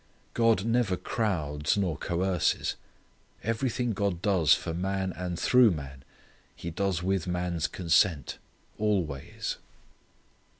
God never crowds nor coerces. Everything God does for man and through man He does with man's consent, always.